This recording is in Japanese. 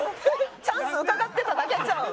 チャンスうかがってただけちゃうん？